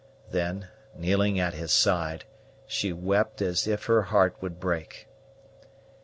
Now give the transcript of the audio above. Then, kneeling at his side, she wept as if her heart would break.